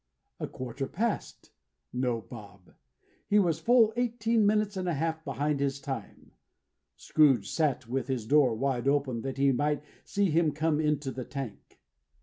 A quarter past. No Bob. He was full eighteen minutes and a half behind his time. Scrooge sat with his door wide open, that he might see him come into the tank.